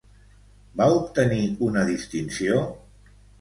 Va obtenir una distinció?